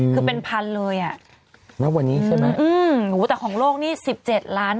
คือเป็นพันเลยอ่ะณวันนี้ใช่ไหมอืมแต่ของโลกนี่สิบเจ็ดล้าน